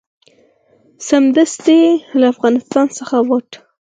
سمدستي له افغانستان څخه ووت.